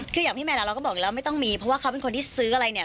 คืออย่างพี่แมนเราก็บอกอยู่แล้วไม่ต้องมีเพราะว่าเขาเป็นคนที่ซื้ออะไรเนี่ย